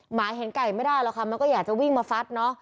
หมาเห็นไก่ไม่ได้หรอกค่ะมันก็อยากจะวิ่งมาฟัดเนอะ